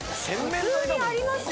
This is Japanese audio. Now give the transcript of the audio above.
普通にありますよね？